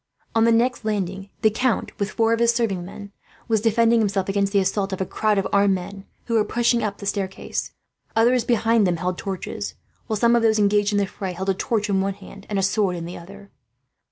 On the next landing the count, with four serving men, was defending himself against the assault of a crowd of armed men, who were pushing up the staircase. Others behind them held torches, while some of those engaged in the fray held a torch in one hand, and a sword in the other.